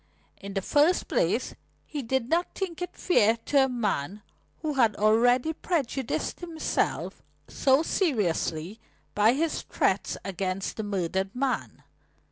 In the first place, he did not think it fair to a man who had already prejudiced himself so seriously by his threats against the murdered man.